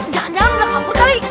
jangan jangan udah kabur kali